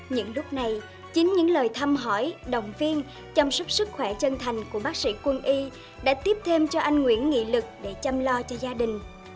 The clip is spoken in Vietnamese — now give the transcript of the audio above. những lúc này chính những lời thăm hỏi động viên chăm sóc sức khỏe chân thành của bác sĩ quân y đã tiếp thêm cho anh nguyễn nghị lực để chăm lo cho gia đình